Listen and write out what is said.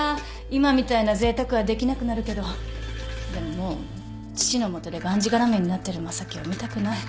今みたいなぜいたくはできなくなるけどでももう父の下でがんじがらめになってる正樹を見たくない。